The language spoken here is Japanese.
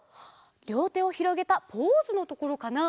りょうてをひろげたポーズのところかな？